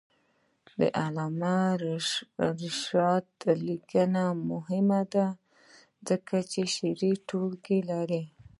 د علامه رشاد لیکنی هنر مهم دی ځکه چې شعري ټولګې لري.